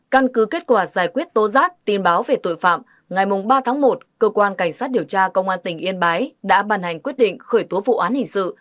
căn cứ kết quả giải quyết tố giác tin báo về tội phạm ngày ba tháng một cơ quan cảnh sát điều tra công an tỉnh yên bái đã bàn hành quyết định khởi tố vụ án hình sự